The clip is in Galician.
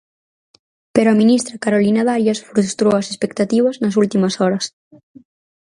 Pero a ministra Carolina Darias frustrou as expectativas nas últimas horas.